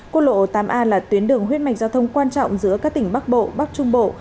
cô lộ tám a là tuyến đường huyết mạch giao thông quan trọng giữa các tỉnh bắc bộ bắc trung bộ